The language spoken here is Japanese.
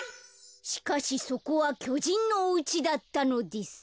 「しかしそこはきょじんのおうちだったのです」。